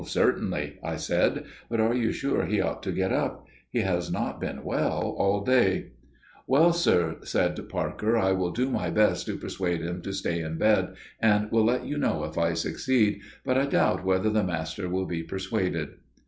"Certainly," I said; "but are you sure he ought to get up? He has not been well all day." "Well, sir," said Parker; "I will do my best to persuade him to stay in bed, and will let you know if I succeed, but I doubt whether the master will be persuaded."